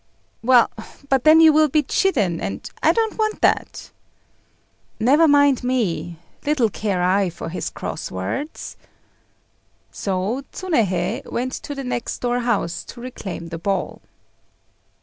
"Well, but then you will be chidden, and I don't want that." "Never mind me. Little care I for his cross words." So Tsunéhei went to the next door house to reclaim the ball.